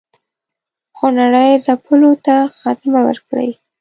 خونړي ځپلو ته خاتمه ورکړي.